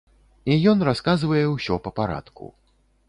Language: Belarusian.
І ён расказвае ўсё па парадку.